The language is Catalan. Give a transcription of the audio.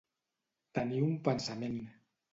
Tenir un pensament.